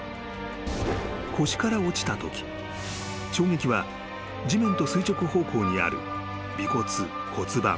［腰から落ちたとき衝撃は地面と垂直方向にある尾骨骨盤